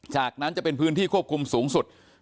จากนั้นจะเป็นพื้นที่ควบคุมสูงสุด